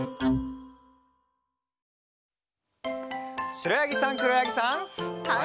しろやぎさんくろやぎさん。